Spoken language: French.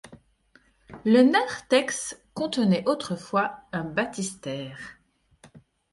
Le narthex contenait autrefois un baptistère.